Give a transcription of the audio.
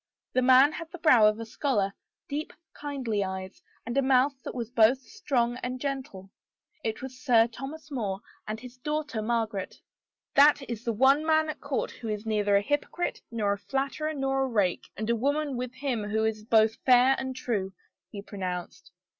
The man had the brow of a scholar, deep, kindly eyes, and a mouth that was both strong and gentle. It was Sir Thomas More and his daughter Margaret. "That is the one man at court who is neither a hypocrite nor a flatterer nor a rake, and a woman with him who is both fair and true," he pronounced.